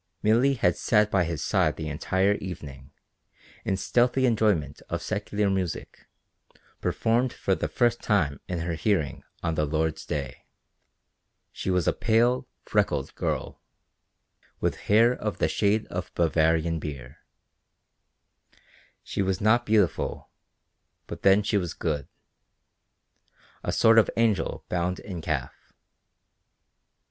Milly had sat by his side the entire evening, in stealthy enjoyment of secular music, performed for the first time in her hearing on the Lord's day. She was a pale, freckled girl, with hair of the shade of Bavarian beer. She was not beautiful, but then she was good a sort of angel bound in calf.